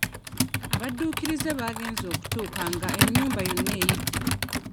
Abadduukirize baagenze okutuuka nga ennyumba yonna eyidde.